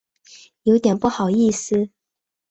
有点不好意思